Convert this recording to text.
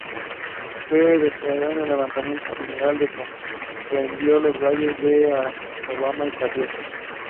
It was preceded by the release of the lead single "Bing Bong Zoo".